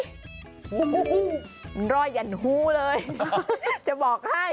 มันรอยอย่างหู้เลยจะบอกให้